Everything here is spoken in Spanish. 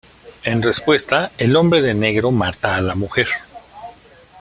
En respuesta, el Hombre de Negro mata a la mujer.